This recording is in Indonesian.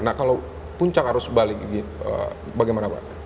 nah kalau puncak arus balik ini bagaimana pak